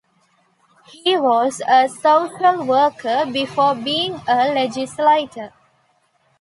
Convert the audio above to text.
He was a social worker before being a legislator.